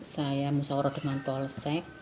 saya musawarah dengan polsek